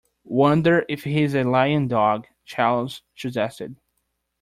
Wonder if he's a lion dog, Charles suggested.